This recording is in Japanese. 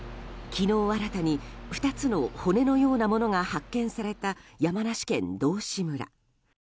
昨日、新たに２つの骨のようなものが発見された山梨県道志村。